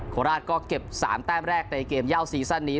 โคราชก็เก็บ๓แต้มแรกในเกมเย่าซีซั่นนี้